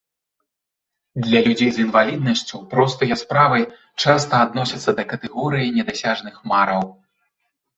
Для людзей з інваліднасцю простыя справы часта адносяцца да катэгорыі недасяжных мараў.